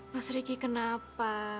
mas riki kenapa